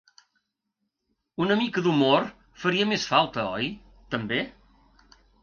Una mica d’humor faria més falta, oi, també?